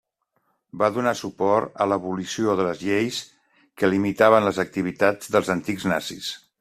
Va donar suport a l'abolició de les lleis que limitaven les activitats dels antics nazis.